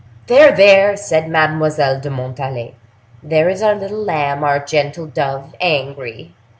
"There! there!" said Mademoiselle de Montalais; "there is our little lamb, our gentle dove, angry!